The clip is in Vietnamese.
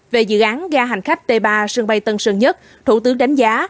về dự án ga hành khách t ba sân bay tân sơn nhất thủ tướng đánh giá